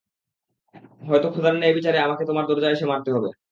হয়তো খোদার ন্যায়বিচারে আমাকে তোমার দরজায় এসে মারতে হবে।